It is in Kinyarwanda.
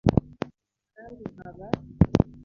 kandi nkaba